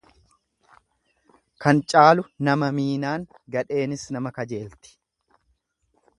Kan caalu nama miinaan gadheenis nama kajeelti.